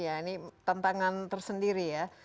ini tantangan tersendiri ya